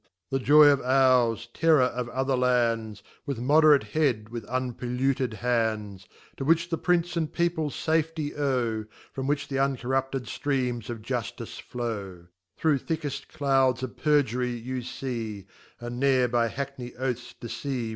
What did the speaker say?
The Joy of ours, Tcrrour of other Lands, With modtrate Head, wrth unpolluted Hands, To which the Prince an(f People faiety owe, From which the uncorrupted ff reams of JufticefTow, Through thickeft clouds of Perjury you fee, And ne're by Hactyey Oaths deceive?